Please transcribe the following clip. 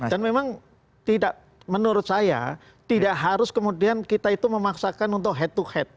dan memang tidak menurut saya tidak harus kemudian kita itu memaksakan untuk head to head